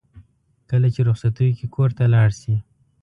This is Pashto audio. کله چې رخصتیو کې کور ته لاړ شي.